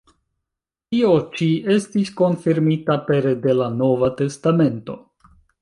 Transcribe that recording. Tio ĉi estis konfirmita pere de la Nova Testamento.